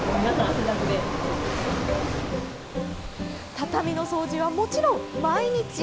畳の掃除はもちろん毎日。